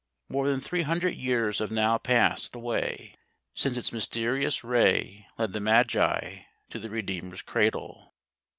More than three hundred years have now passed away since its mysterious ray led the Magi to the Redeemer's cradle.